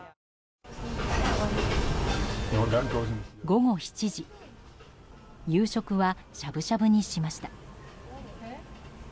午後７時夕食はしゃぶしゃぶにしました。